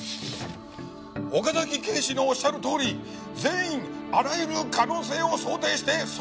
岡崎警視のおっしゃるとおり全員あらゆる可能性を想定して捜査に当たるように！